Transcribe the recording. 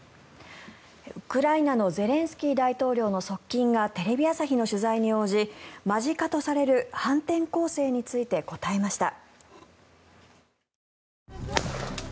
ウクライナのゼレンスキー大統領の側近がテレビ朝日の取材に応じ間近とされる反転攻勢について答えました。